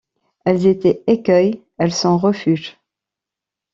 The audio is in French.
Elles étaient écueils, elles sont refuges.